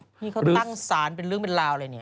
ที่เขาตั้งสารเป็นเรื่องเป็นราวเลยเนี่ย